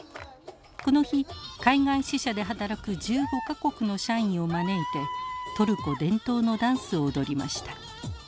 この日海外支社で働く１５か国の社員を招いてトルコ伝統のダンスを踊りました。